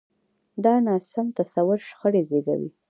دا ناسم تصور شخړې زېږوي.